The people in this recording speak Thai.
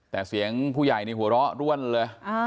แต่เสียงผู้ใหญ่นี่หัวเราะร่วนเลย